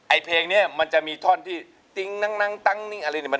ไอ้เพลงเนี่ยมันจะมีท่อนที่ติ๊งนังนังตังนิงอะไรอย่างนี้